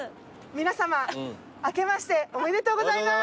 皆さま明けましておめでとうございます。